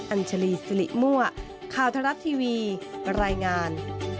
อัญชลีสิริมั่วข่าวทรัฐทีวีรายงาน